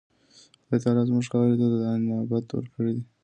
خدای تعالی زموږ خاورې ته دا نبات راکړی.